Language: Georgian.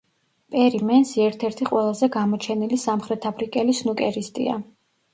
პერი მენსი ერთ-ერთი ყველაზე გამოჩენილი სამხრეთაფრიკელი სნუკერისტია.